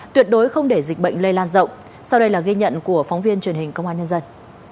tuyệt đối không để dịch bệnh lây lan rộng sau đây là ghi nhận của phóng viên truyền hình công an nhân dân